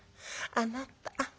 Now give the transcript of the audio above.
あなたっ。